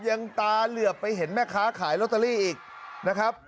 ยังตาเหลือบไปเห็นแม่ค้าขายลอตเตอรี่อีกนะครับ